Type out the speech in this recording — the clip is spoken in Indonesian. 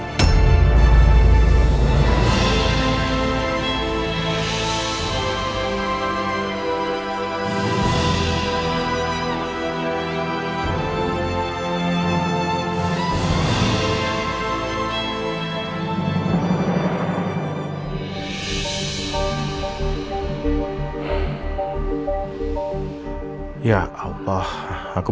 terima kasih kalaulah aku